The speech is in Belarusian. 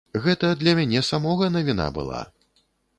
Гэта для мяне самога навіна была.